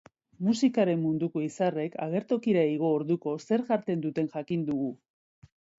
Musikaren munduko izarrek agertokira igo orduko zer jaten duten jakin dugu.